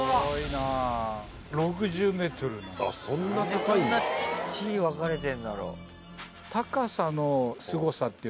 「なんでこんなきっちり分かれてるんだろう？」